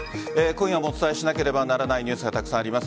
今夜もお伝えしなければならないニュースがたくさんあります。